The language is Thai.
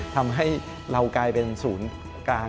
ทำให้เรากลายเป็นศูนย์กลาง